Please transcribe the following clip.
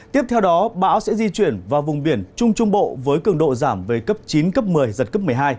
tiếp theo đó bão sẽ di chuyển vào vùng biển trung trung bộ với cường độ giảm về cấp chín cấp một mươi giật cấp một mươi hai